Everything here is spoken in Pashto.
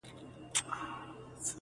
o په خِلقت کي مي حکمت د سبحان وینم,